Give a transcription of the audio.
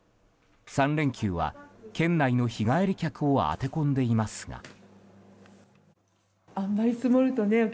３連休は県内の日帰り客を当て込んでいますが。